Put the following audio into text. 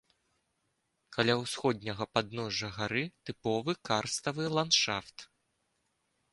Каля ўсходняга падножжа гары тыповы карставы ландшафт.